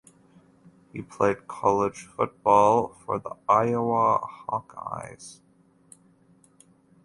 He played college football for the Iowa Hawkeyes.